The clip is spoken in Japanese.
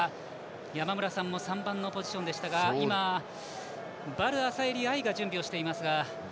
山村さんも３番のポジションでしたが今、ヴァルアサエリ愛が準備をしています。